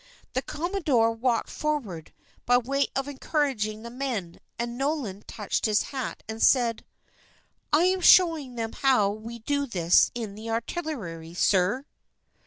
The commodore walked forward by way of encouraging the men, and Nolan touched his hat and said: "I am showing them how we do this in the artillery, sir."